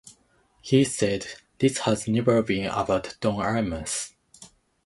He said, This has never been about Don Imus.